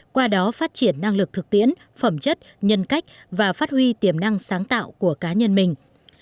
qua đó phát triển năng lực thực tiễn phẩm chất nhân cách và phát huy tiềm năng sáng tạo của cá nhân mình